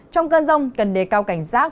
trong cơn rong cần đề cao cảnh rác